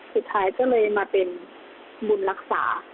สุดท้ายก็เลยมาเป็นบุญรักษา